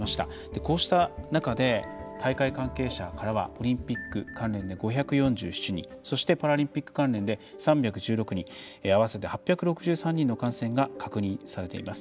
この中で大会関係者からはオリンピック関連で５４７人パラリンピック関連で３１６人合わせて８６３人の感染が確認されています。